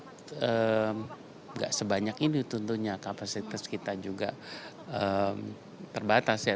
tidak sebanyak ini tentunya kapasitas kita juga terbatas ya